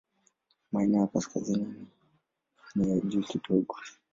Maeneo ya kaskazini ni ya juu kidogo.